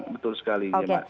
betul sekali ya mbak